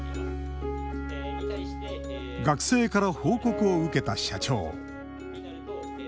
学生から報告を受けた社長。